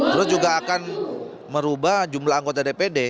terus juga akan merubah jumlah anggota dpd